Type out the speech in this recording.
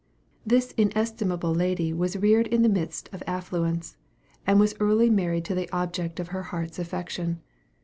This inestimable lady was reared in the midst of affluence, and was early married to the object of her heart's affection.